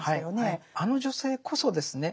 あの女性こそですね